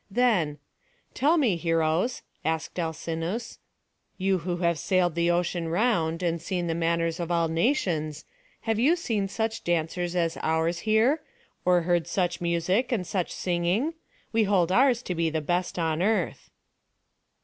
Then, "Tell me, heroes," asked Alcinous, "you who have sailed the ocean round, and seen the manners of all nations, have you seen such dancers as ours here? or heard such music and such singing? We hold ours to be the best on earth."